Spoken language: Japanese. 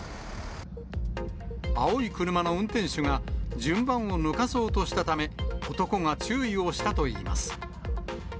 青い車の運転手が順番を抜かそうとしたため、男が注意をしたといいます。